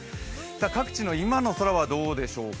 各地の今の空はどうでしょうか。